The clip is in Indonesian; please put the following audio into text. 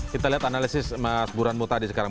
kita lihat analisis mas burad mu tadi sekarang